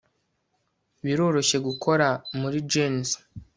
biroroshye gukora muri jans